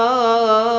allahu akbar allah